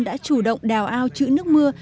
đã chủ động đào ao chữ nước mưa